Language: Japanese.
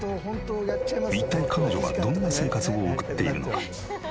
一体彼女はどんな生活を送っているのか？